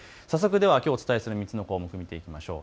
ではきょうお伝えする３つの項目を見ていきましょう。